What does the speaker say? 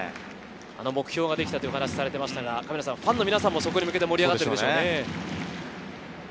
目標ができたというお話をされてましたが、ファンの皆さんもそこに向けて盛り上がってるでしょうね。